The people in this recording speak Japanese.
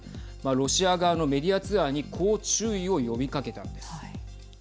ロシア側のメディアツアーにこう注意を呼びかけたんです。